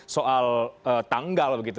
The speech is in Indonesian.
soal tanggal begitu